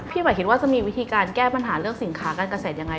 หมายคิดว่าจะมีวิธีการแก้ปัญหาเรื่องสินค้าการเกษตรยังไง